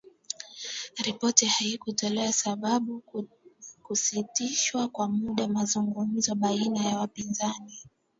Ripoti haikutoa sababu ya kusitishwa kwa muda mazungumzo baina ya wapinzani.